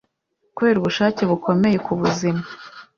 kubera ubushake bukomeye ku buzima